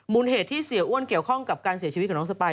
เหตุที่เสียอ้วนเกี่ยวข้องกับการเสียชีวิตของน้องสปาย